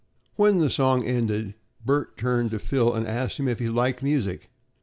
When the song ended, Bert turned to Phil and asked him if he liked music.